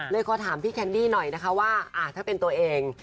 ขอถามพี่แคนดี้หน่อยนะคะว่าถ้าเป็นตัวเอง